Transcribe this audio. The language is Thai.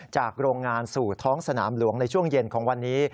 โรงงานสู่ท้องสนามหลวงในช่วงเย็นของวันนี้